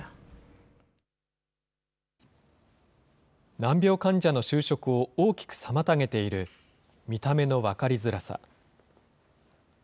難病患者の就職を大きく妨げている、見た目の分かりづらさ。